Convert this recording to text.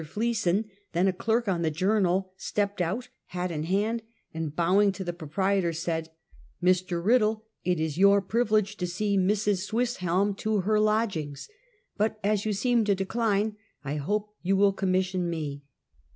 Fleeson, then a clerk on the Journal, stepped out, hat in hand, and bowing to the proprietor, said: " Mr. Riddle, it is your privilege to see Mrs. Swiss, helm to her lodgings, but as you seem to decline, I hope you will commission me."